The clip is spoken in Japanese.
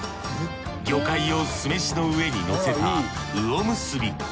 魚介を酢飯の上にのせた魚むすび。